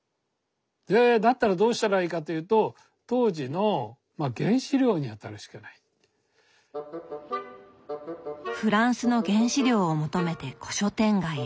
でだったらどうしたらいいかというとフランスの原資料を求めて古書店街へ。